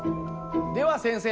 では先生